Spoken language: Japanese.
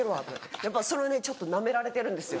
やっぱそれはねちょっとナメられてるんですよ